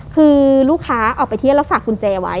คือลูกค้าออกไปเที่ยวแล้วฝากกุญแจไว้